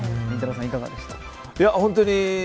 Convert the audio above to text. さんいかがでしたか。